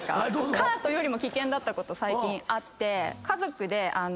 カートよりも危険だったこと最近あって。